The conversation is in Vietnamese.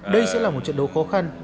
đây sẽ là một trận đấu khó khăn